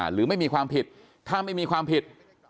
หรือไม่มีความผิดถ้าไม่มีความผิด